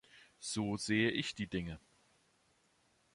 So sehe ich die Dinge.